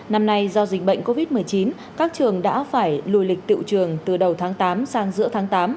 năm nay do dịch bệnh covid một mươi chín các trường đã phải lùi lịch tự trường từ đầu tháng tám sang giữa tháng tám